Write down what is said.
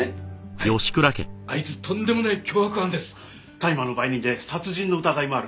大麻の売人で殺人の疑いもある。